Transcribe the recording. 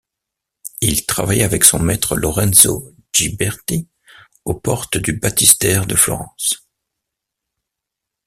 Il travailla avec son maître Lorenzo Ghiberti aux portes du baptistère de Florence.